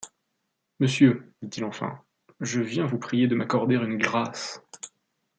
Monsieur, dit-il enfin, je viens vous prier de m’accorder une grâce